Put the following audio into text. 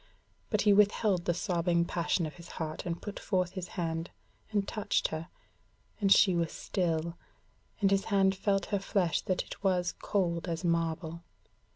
But he withheld the sobbing passion of his heart and put forth his hand, and touched her, and she was still, and his hand felt her flesh that it was cold as marble.